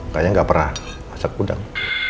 kayaknya nggak pernah masak udang